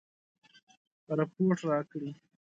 رپوټ راکړي.